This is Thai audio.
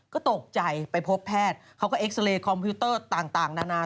ก็ตกใจไปพบแพทย์เขาก็เอ็กซาเรย์คอมพิวเตอร์ต่างนานา